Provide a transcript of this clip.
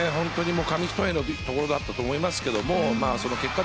紙一重のところだったと思いますけど。